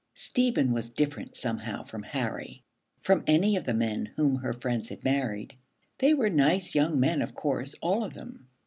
Stephen was different somehow from Harry, from any of the men whom her friends had married. They were nice young men, of course, all of them.